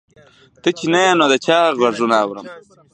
ته چې نه یې نو د چا غـــــــږونه اورم